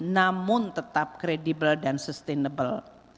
namun tetap kredibel dan sustainable